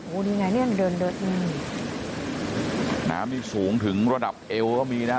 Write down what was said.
โอ้โหนี่ไงเนี่ยเดินเดินอืมน้ำนี่สูงถึงระดับเอวก็มีนะฮะ